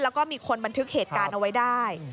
แล้วก็มีคนบันทึกเหตุการณ์เอาไว้ได้